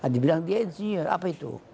dibilang dia ingenier apa itu